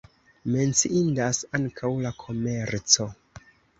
Menciindas ankaŭ la komerco.